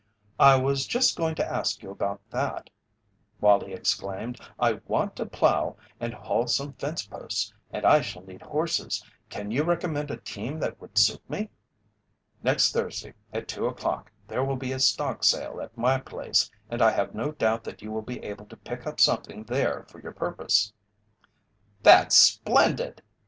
"I was just going to ask you about that," Wallie exclaimed. "I want to plow, and haul some fence posts, and I shall need horses. Can you recommend a team that would suit me?" "Next Thursday at two o'clock there will be a stock sale at my place and I have no doubt that you will be able to pick up something there for your purpose." "That's splendid!"